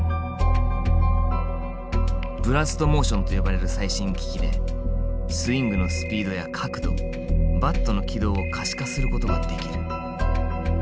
ブラストモーションと呼ばれる最新機器でスイングのスピードや角度バットの軌道を可視化することができる。